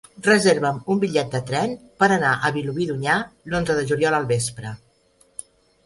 Reserva'm un bitllet de tren per anar a Vilobí d'Onyar l'onze de juliol al vespre.